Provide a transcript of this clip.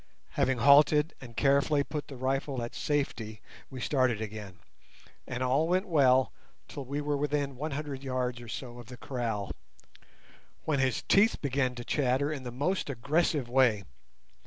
Having halted and carefully put the rifle at "safety", we started again, and all went well till we were within one hundred yards or so of the kraal, when his teeth began to chatter in the most aggressive way.